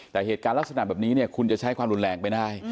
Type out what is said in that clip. แต่เหตุการณ์ลักษณะแบบนี้เนี่ยคุณจะใช้ความรุนแรงไปได้